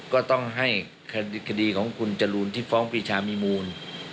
ก็ต้องให้คดีของคุณจรูนที่ฟ้องปีชามีมูล